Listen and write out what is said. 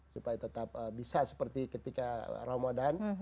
supaya tetap bisa seperti ketika ramadan